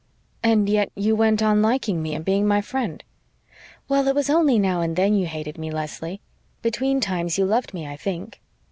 "And yet you went on liking me and being my friend." "Well, it was only now and then you hated me, Leslie. Between times you loved me, I think."